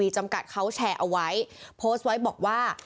จำกัดเขาแชร์เอาไว้โพสต์ไว้บอกว่า